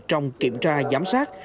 trong kiểm tra giám sát